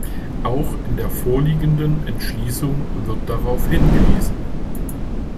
Auch in der vorliegenden Entschließung wird darauf hingewiesen.